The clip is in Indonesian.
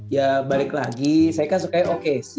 ya balik lagi saya kan suka okc